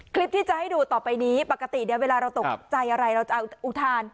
คลิปที่จะให้ดูต่อไปนี้ปกติเนี่ยเวลาเราตกใจอะไรเราจะอุทาน